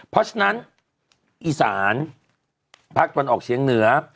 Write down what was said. เพราะฉะนั้นอีสานภาคตะวันออกเชียงเหนือ